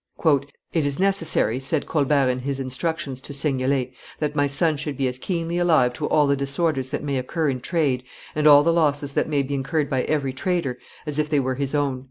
"It is necessary," said Colbert in his instructions to Seignelay, "that my son should be as keenly alive to all the disorders that may occur in trade, and all the losses that may be incurred by every trader, as if they were his own."